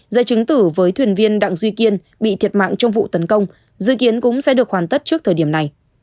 dây chứng tử với thuyền viên đặng duy kiên bị thiệt mạng trong vụ tấn công dự kiến cũng sẽ được hoàn tất trước thời điểm này